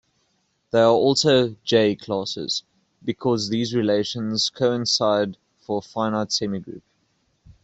They are also "J"-classes, because these relations coincide for a finite semigroup.